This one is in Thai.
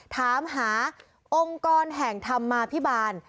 ถามหาองค์กรแห่งธรรมาภิบาล